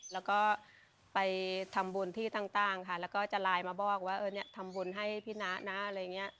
แล้วก็ไปทำบุญที่ต่างค่ะแล้วก็จะไลน์มาบอกว่าเออเนี่ยทำบุญให้พี่นะนะอะไรอย่างนี้